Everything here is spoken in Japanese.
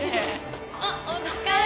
あっお疲れ。